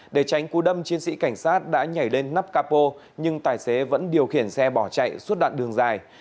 để tránh cú đâm chiến sĩ cảnh sát đã nhảy lên nắp capo nhưng tài xế vẫn điều khiển xe bỏ chạy suốt đoạn đường dài